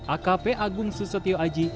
akp agung susetio aji